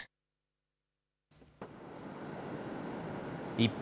一方、